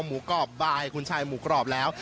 หมูกรอบบายคุณชายหมูกรอบแล้ว